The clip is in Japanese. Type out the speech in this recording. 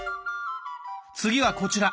次はこちら！